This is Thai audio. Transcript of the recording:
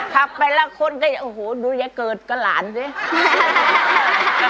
พักไปแล้วคนก็อยากดูไยเกิร์ดกะหลานสิ